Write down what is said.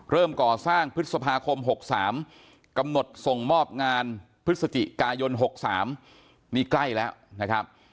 เริ่มก่อสร้างพฤษภาคม๖๓กำหนดส่งมอบงานพฤศจิกายน๖๓นี่ใกล้แล้วนะครับ